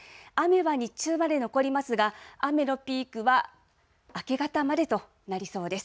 雨は日中まで残りますが雨のピークは明け方までとなりそうです。